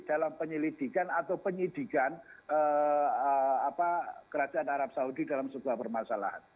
dalam penyelidikan atau penyidikan kerajaan arab saudi dalam sebuah permasalahan